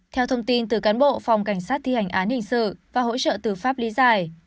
theo thông tin từ cán bộ phòng cảnh sát thi hành án hình sự và hỗ trợ từ pháp lý giải